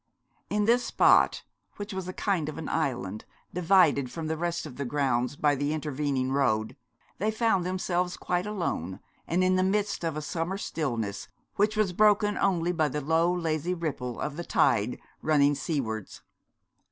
In this spot, which was a kind of island, divided from the rest of the grounds by the intervening road, they found themselves quite alone, and in the midst of a summer stillness which was broken only by the low, lazy ripple of the tide running seawards.